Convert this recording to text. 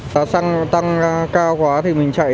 giá xăng tăng cao quá thì mình chạy